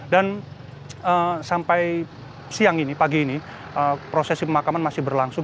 dan sampai siang ini pagi ini prosesi pemakaman masih berlangsung